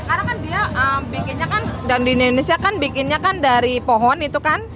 karena kan dia bikinnya kan dan di indonesia kan bikinnya kan dari pohon itu kan